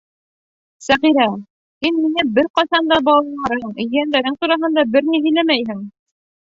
Сәғирә, һин ниңә бер ҡасан да балаларың, ейәндәрең тураһында бер ни һөйләмәйһең?